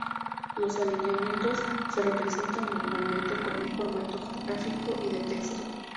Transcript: Los alineamientos se representan normalmente con un formato gráfico y de texto.